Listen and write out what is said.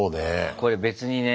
これ別にね